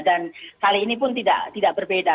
kali ini pun tidak berbeda